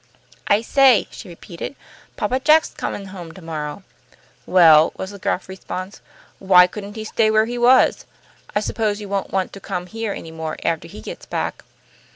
"I say," she repeated, "Papa Jack's comin' home to morrow." "Well," was the gruff response. "Why couldn't he stay where he was? I suppose you won't want to come here any more after he gets back."